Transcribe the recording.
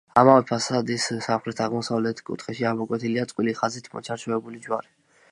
ამავე ფასადის სამხრეთ-აღმოსავლეთ კუთხეში ამოკვეთილია წყვილი ხაზით მოჩარჩოებული ჯვარი.